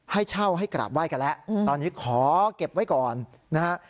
ให้เช่าให้กราบไห้กันแล้วตอนนี้ขอเก็บไว้ก่อนนะฮะ